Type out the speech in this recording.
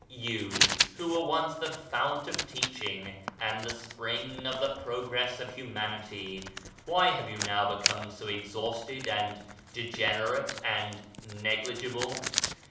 You who were once the fount of teaching and the spring of the progress of human ity — why have you now become so exhausted and degenerate and negligible?